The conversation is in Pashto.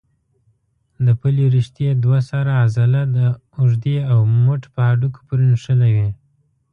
د پلې رشتې دوه سره عضله د اوږې او مټ په هډوکو پورې نښلوي.